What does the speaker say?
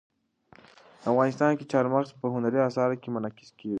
افغانستان کې چار مغز په هنري اثارو کې منعکس کېږي.